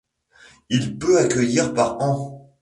Il peut accueillir par an.